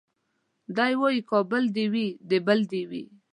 دی وايي کابل دي وي د بل دي وي